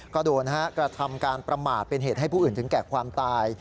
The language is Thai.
ก็โดนกระทำการประมาทเป็นเหตุให้ผู้อื่นถึงแก่ความตาย